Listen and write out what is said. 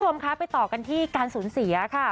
ทุกคนค่ะไปต่อกันที่การสูญเสียค่ะ